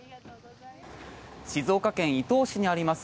静岡県伊東市にあります